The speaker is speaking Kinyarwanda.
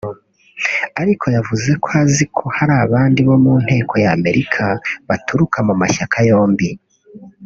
Ariko yavuze ko azi ko hari abandi bo mu nteko y’Amerika baturuka mu mashyaka yombi